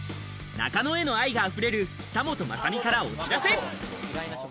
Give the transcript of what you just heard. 中野への愛があふれる久本雅美からお知らせ。